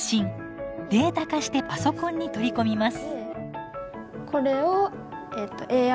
データ化してパソコンに取り込みます。